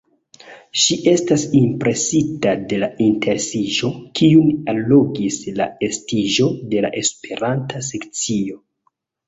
Ŝi estas impresita de la interesiĝo, kiun allogis la estiĝo de la Esperanta sekcio.